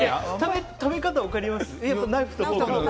食べ方、分かります？